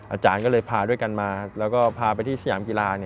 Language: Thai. อาจารย์ก็เลยพาด้วยกันมาแล้วก็พาไปที่สยามกีฬา